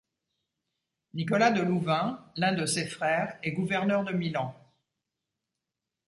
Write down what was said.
Nicolas de Louvain, l'un de ses frères, est gouverneur de Milan.